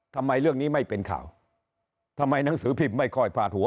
ทำไมเรื่องนี้ไม่เป็นข่าวทำไมหนังสือพิมพ์ไม่ค่อยพาดหัว